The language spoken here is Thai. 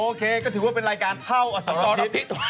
โอเคก็ถือว่าเป็นรายการเถ้าอัสระพิต